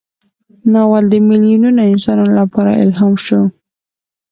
ناول د میلیونونو انسانانو لپاره الهام شو.